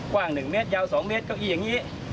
กว้างหนึ่งเมตรยาวสองเมตรก็อีกอย่างนี้